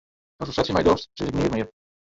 Asto sa tsjin my dochst, sis ik neat mear.